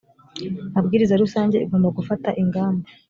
mabwiriza rusange igomba gufata ingamba